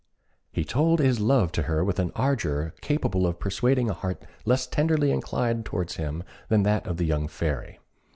He told his love to her with an ardour capable of persuading a heart less tenderly inclined towards him than that of the young Fairy.